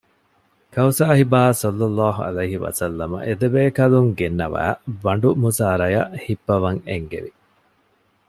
ކައުސާހިބާ ޞައްލަﷲ ޢަލައިހި ވަސައްލަމަ އެދެބޭކަލުން ގެންނަވައި ބަނޑުމުސާރަޔަށް ހިއްޕަވަން އެންގެވި